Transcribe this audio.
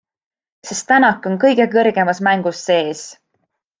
Sest Tänak on kõige kõrgemas mängus sees!